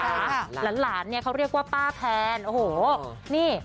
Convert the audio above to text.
หลานเนี่ยเขาเรียกว่าป้าแพนโอ้โหนี่